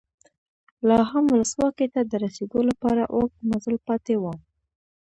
لا هم ولسواکۍ ته د رسېدو لپاره اوږد مزل پاتې و.